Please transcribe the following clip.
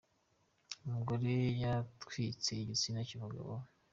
Umugore yatwitse igitsina cy’umugabo we